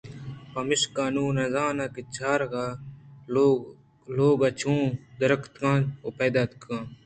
پمیشا نوں نہ زاناں کہ چَرا لوگ ءَ چوں دراتگگ ءُ پیداکاں